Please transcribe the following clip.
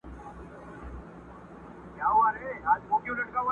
سترګي د محفل درته را واړوم٫